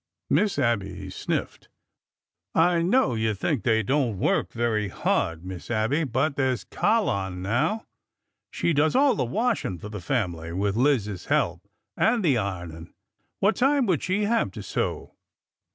Miss Abby sniffed. I know you think they don't work very hard. Miss Abby,— but there 's Ca'line, now. She does all the wash ing for the family, with Liz's help,— and the ironing. What time would she have to sew